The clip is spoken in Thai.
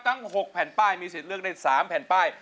ทั้ง๖แผ่นเป้าย